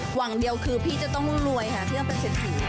หวังเดียวคือพี่จะต้องรวยค่ะเพื่อเป็นเศรษฐี